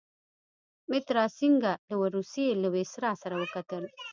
مترا سینګه له روسيې له ویسرا سره وکتل.